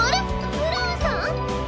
ブラウンさん？